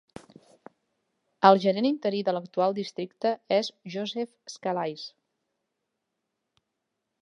El gerent interí de l'actual districte és Joseph Scalise.